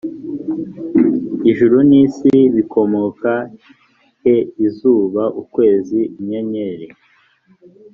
ijuru n isi bikomoka he izuba ukwezi inyenyeri